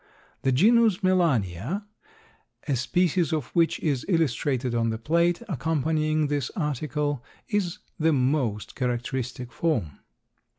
The genus Melania, a species of which is illustrated on the plate accompanying this article, is the most characteristic form.